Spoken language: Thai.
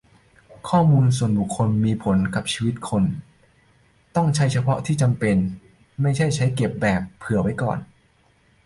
ข้อมูลส่วนบุคคลมีผลกับชีวิตคน ต้องใช้เฉพาะที่จำเป็น ไม่ใช่เก็บแบบ "เผื่อไว้ก่อน"